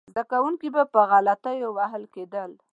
زده کوونکي به په غلطیو وهل کېدل.